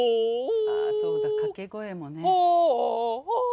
ああそうだ掛け声もね。ホオオ！